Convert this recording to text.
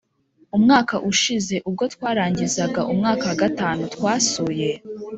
Umwaka ushize ubwo twarangizaga umwaka wa gatanu, twasuye